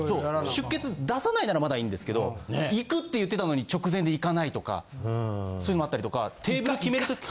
出欠出さないならまだいいんですけど行くって言ってたのに直前で行かないとかそういうのあったりとかテーブル決めるとき。